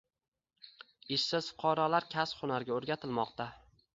Ishsiz fuqarolar kasb-hunarga o‘rgatilmoqda